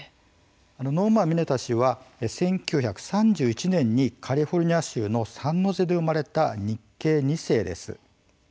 ノーマン・ミネタ氏は１９３１年にカリフォルニア州のサンノゼで生まれた日系２世です。